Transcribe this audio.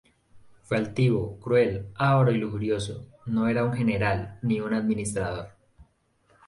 Fue altivo, cruel, avaro y lujurioso; no era un general, ni un administrador.